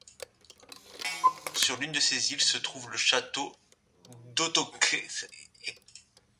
Sur l'une de ses îles, se trouve le Château d'Otočec.